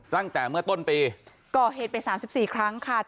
ตั้งแต่เมื่อต้นปีก่อเหตุไป๓๔ครั้งค่ะ